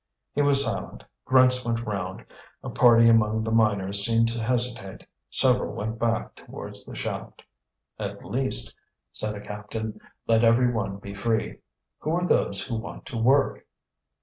He was silent. Grunts went round. A party among the miners seemed to hesitate. Several went back towards the shaft. "At least," said a captain, "let every one be free. Who are those who want to work?"